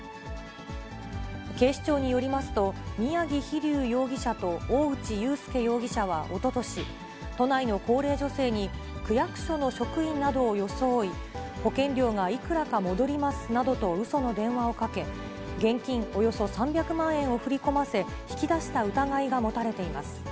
警視庁によりますと、宮城飛竜容疑者と大内悠佑容疑者はおととし、都内の高齢女性に区役所の職員などを装い、保険料がいくらか戻りますなどとうその電話をかけ、現金およそ３００万円を振り込ませ、引き出した疑いが持たれています。